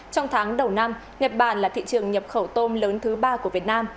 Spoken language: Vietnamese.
trong tháng đầu năm nhật bản là thị trường nhập khẩu tôm lớn thứ ba của việt nam